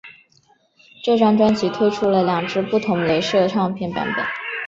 这张专辑推出了两只不同雷射唱片版本。